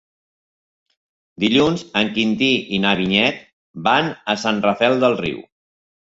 Dilluns en Quintí i na Vinyet van a Sant Rafel del Riu.